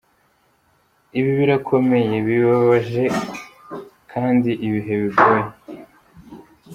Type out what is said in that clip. "Ibi birakomeye, bibabaje kandi ibihe bigoye.